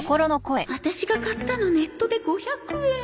ワタシが買ったのネットで５００円